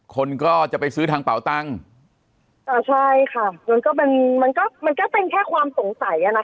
คนก็จะไปซื้อทางเป่าตังค์อ่าใช่ค่ะมันก็เป็นมันก็มันก็เป็นแค่ความสงสัยอ่ะนะคะ